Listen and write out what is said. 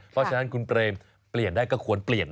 เพราะฉะนั้นคุณเปรมเปลี่ยนได้ก็ควรเปลี่ยน